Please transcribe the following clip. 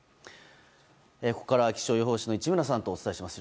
ここからは気象予報士の市村さんとお伝えします。